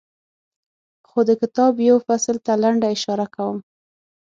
خو د کتاب یوه فصل ته لنډه اشاره کوم.